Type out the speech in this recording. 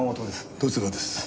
十津川です。